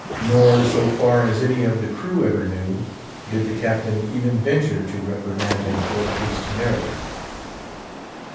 Nor, so far as any of the crew ever knew, did the Captain even venture to reprimand him for his temerity.